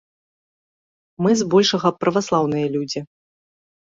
Мы збольшага праваслаўныя людзі.